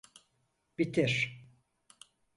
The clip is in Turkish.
Bitir!